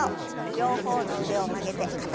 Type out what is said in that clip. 両方の腕を曲げて肩の横に。